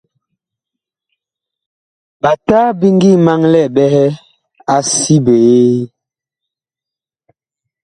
Ɓata bi ngi maŋlɛɛ ɓɛhɛ a si biee.